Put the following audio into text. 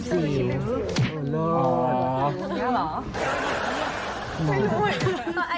จริงหรอก็ได้นะชอบดูดิบซิล